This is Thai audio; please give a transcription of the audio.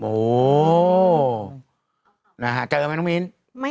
โอ้นะฮะเจอมั้ยน้องมีน